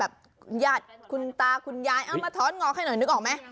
ญาติคุณตาคุณยายเอามาถอนงอกให้หน่อยนึกออกไหม